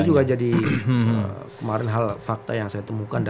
ini juga jadi kemarin hal fakta yang saya temukan